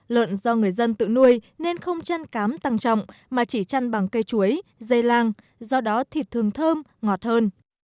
lợn do người dân tự nuôi nên không chăn cám tăng trọng mà chỉ chăn bằng cây chuối dây lang do đó thịt thường thơm ngọt hơn